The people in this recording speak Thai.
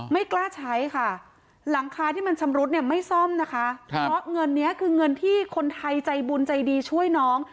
ไม่กล้าใช้ค่ะหลังคาที่มันชำรุดเนี่ยไม่ซ่อมนะคะเพราะเงินนี้คือเงินที่คนไทยใจบุญใจดีช่วยน้อง